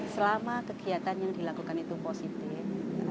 selama kegiatan yang dilakukan itu positif